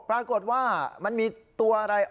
ปรากฏว่ามันมีตัวอะไร